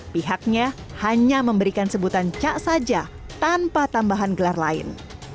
pihaknya hanya memberikan sebutan cak saja tanpa tambahan gelar lain